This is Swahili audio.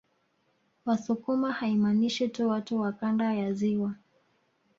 Wasukuma haimaanishi tu watu wa kanda ya ziwa